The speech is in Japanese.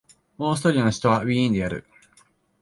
オーストリアの首都はウィーンである